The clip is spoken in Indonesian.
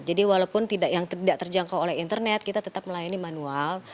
jadi walaupun tidak terjangkau oleh internet kita tetap melayani manual